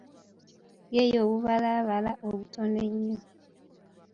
Ye y'obubalabala obutono ennyo.